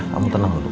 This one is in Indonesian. kamu tenang dulu